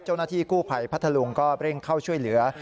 เจ้าหน้าที่กู้ภัยพัทธลุงก็เร่งเข้าช่วยเหลือ